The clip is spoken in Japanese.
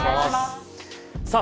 さあ